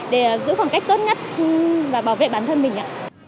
để giữ khoảng cách tốt nhất và bảo vệ bản thân mình ạ